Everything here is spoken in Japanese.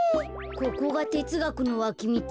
ここがてつがくのわきみち？